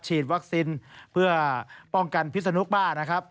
ฉีดวัคซีนเพื่อป้องกันพิษนุบ้านะครับ